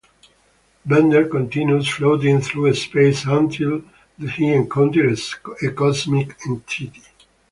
Bender continues floating through space until he encounters a cosmic entity.